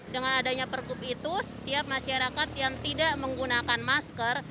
dengan adanya pergub itu setiap masyarakat yang tidak menggunakan masker